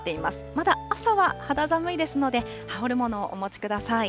まだ朝は肌寒いですので、羽織るものをお持ちください。